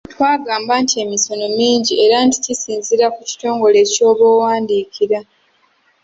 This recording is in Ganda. Twagamba nti emisono mingi era nti era kisinziira ku kitongole ky’oba owandiikira.